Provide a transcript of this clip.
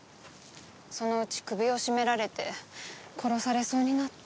そのうち首を絞められて殺されそうになって。